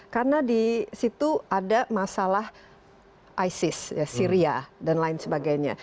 karena di situ ada masalah isis syria dan lain sebagainya